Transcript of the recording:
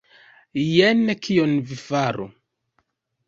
Jen kion vi faru.